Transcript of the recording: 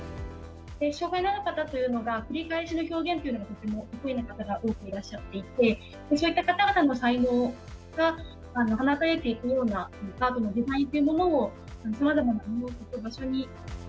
障がいのある方というのは、繰り返しの表現というのがとても得意な方が多くいらっしゃっていて、そういった方々の才能が放たれていくようなアートのデザインというものを、さまざまな場所に。